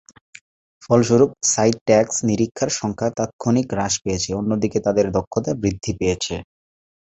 ফলস্বরূপ, site tax নিরীক্ষার সংখ্যা তাত্ক্ষণিক হ্রাস পেয়েছে, অন্যদিকে তাদের দক্ষতা বৃদ্ধি পেয়েছে।